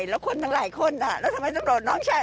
แล้วคนทั้งหลายคนแล้วทำไมตำรวจน้องชาย